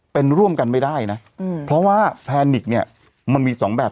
เป็นร่วมกันไม่ได้นะเพราะว่าแพนิกเนี่ยมันมีสองแบบ